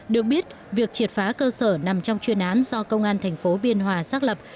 được biết việc triệt phá cơ sở nằm trong chuyên án do công an thành phố biên hòa xác lập